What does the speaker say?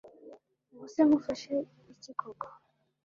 ubuse nkufashe iki koko